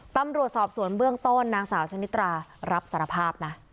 ตำรวจสอบสวนเบื้องต้นนางสาวชนิตรารับสารภาพนะ